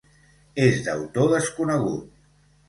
És d'autor desconegut.